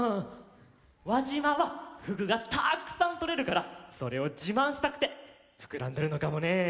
わじまはふぐがたくさんとれるからそれをじまんしたくてふくらんでるのかもねえ。